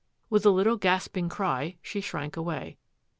With a little gasping cry she shrank away.